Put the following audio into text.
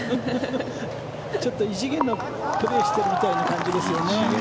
ちょっと異次元のプレーをしているみたいな感じですね。